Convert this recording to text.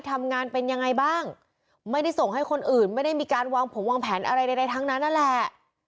ทำงานเป็นยังไงบ้างไม่ได้ส่งให้คนอื่นไม่ได้มีการวางผงวางแผนอะไรใดทั้งนั้นนั่นแหละ